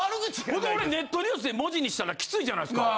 ほんで俺ネットニュースで文字にしたらキツイじゃないですか。